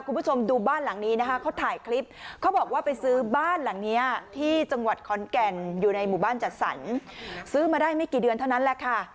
คุณผู้ชมดูบ้านหลังนี้นะคะเขาถ่ายคลิปเขาบอกว่าไปซื้อบ้านหลังเนี้ยที่จังหวัดขอนแก่นอยู่ในหมู่บ้านจัดสรรซื้อมาได้ไม่กี่เดือนเท่านั้นแหละค่ะ